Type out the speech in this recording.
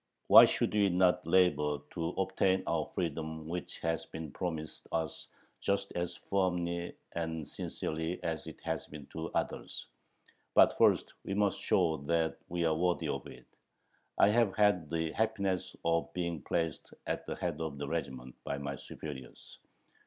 Why should we not labor to obtain our freedom which has been promised us just as firmly and sincerely as it has been to others? But first we must show that we are worthy of it.... I have had the happiness of being placed at the head of the regiment by my superiors.